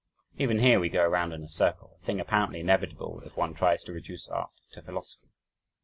Even here we go around in a circle a thing apparently inevitable, if one tries to reduce art to philosophy.